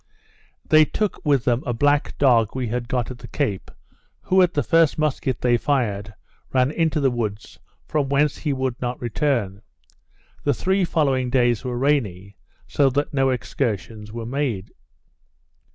They took with them a black dog we had got at the Cape, who, at the first musket they fired, ran into the woods, from whence he would not return. The three following days were rainy; so that no excursions were made.